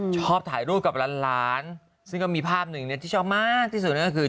ชอบถ่ายรูปกับหลานซึ่งก็มีภาพหนึ่งที่ชอบมากที่สุดก็คือ